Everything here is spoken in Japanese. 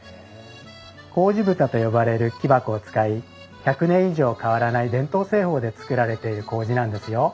麹蓋と呼ばれる木箱を使い１００年以上変わらない伝統製法で作られている麹なんですよ。